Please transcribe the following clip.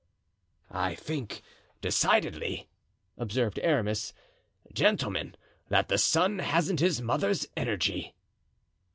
"I think, decidedly," observed Aramis, "gentlemen, that the son hasn't his mother's energy."